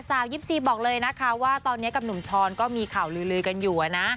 ๒๔บอกเลยนะคะว่าตอนนี้กับหนุ่มช้อนก็มีข่าวลือกันอยู่นะ